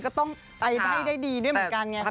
ก็ต้องไปให้ได้ดีด้วยเหมือนกันไง